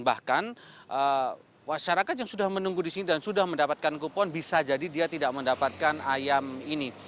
bahkan masyarakat yang sudah menunggu di sini dan sudah mendapatkan kupon bisa jadi dia tidak mendapatkan ayam ini